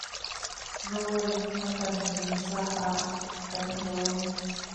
Rawl na kan rin caah kan i lawm.